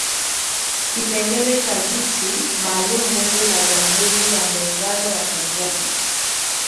Kipengele cha viti maalum Bunge la Jamhuri ya Muungano wa Tanzania